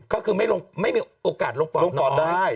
ก็คือไม่มีโอกาสลงปอดน้อย